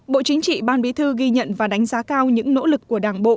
bộ chính trị ban bí thư ghi nhận và đánh giá cao những nỗ lực của đảng bộ